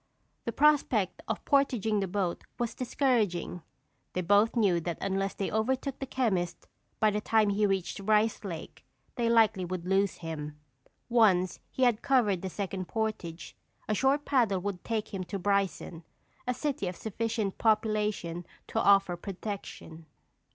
The prospect of portaging the boat was discouraging. They both knew that unless they overtook the chemist by the time he reached Rice Lake, they likely would lose him. Once he had covered the second portage, a short paddle would take him to Bryson, a city of sufficient population to offer protection.